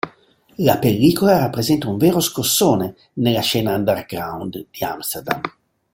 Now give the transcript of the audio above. La pellicola rappresenta un vero scossone nella scena "underground" di Amsterdam.